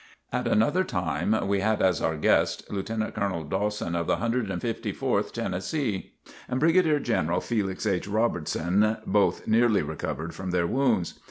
At another time we had as our guests Lieutenant Colonel Dawson of the 154th Tennessee, and Brigadier General Felix H. Robertson, both nearly recovered from their wounds.